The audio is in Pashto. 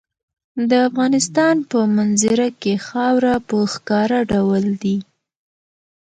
د افغانستان په منظره کې خاوره په ښکاره ډول دي.